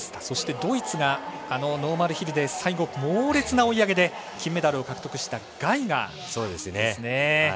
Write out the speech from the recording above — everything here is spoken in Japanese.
そしてドイツがノーマルヒルで最後猛烈な追い上げで金メダルを獲得したガイガーですね。